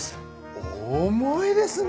重いですね。